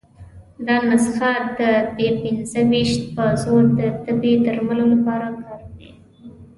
دا نسخه د بي پنځه ویشت په زور د تبې درملو لپاره وکاروي.